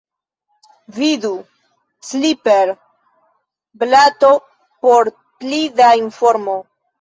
Vidu "Clipper"-blato por pli da informo.